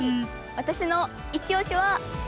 私のいちオシは。